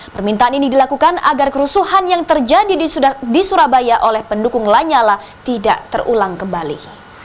permintaan ini dilakukan agar kerusuhan yang terjadi di surabaya oleh pendukung lanyala tidak terulang kembali